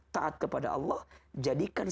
taat kepada allah jadikan